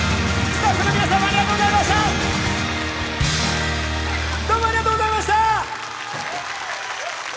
スタッフの皆さんもありがとうございました！